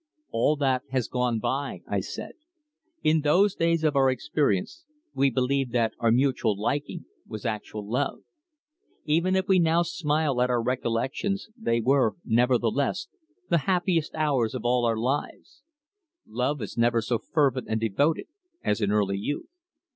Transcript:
"All that has gone by," I said. "In those days of our experience we believed that our mutual liking was actual love. Even if we now smile at our recollections, they were, nevertheless, the happiest hours of all our lives. Love is never so fervent and devoted as in early youth."